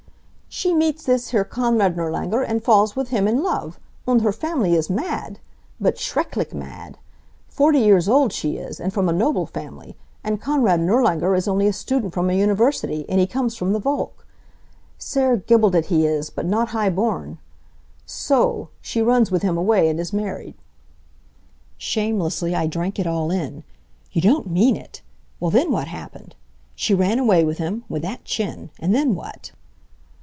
"She meets this here Konrad Nirlanger, and falls with him in love. Und her family is mad! But schrecklich mad! Forty years old she is, and from a noble family, and Konrad Nirlanger is only a student from a university, and he comes from the Volk. Sehr gebildet he is, but not high born. So o o o o, she runs with him away and is married." Shamelessly I drank it all in. "You don't mean it! Well, then what happened? She ran away with him with that chin! and then what?"